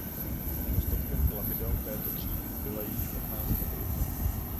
Nedostatkem plavidel této třídy byla její špatná stabilita.